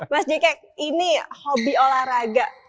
mas jk ini hobi olahraga